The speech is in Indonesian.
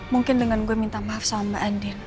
mungkin dengan gue minta maaf sama mbak andi